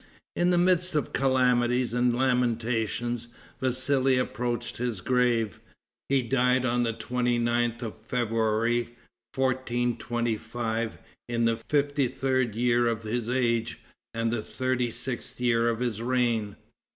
In the midst of calamities and lamentations, Vassali approached his grave. He died on the 29th of February, 1425, in the fifty third year of his age, and the thirty sixth of his reign.